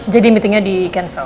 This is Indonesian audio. jadi meetingnya di cancel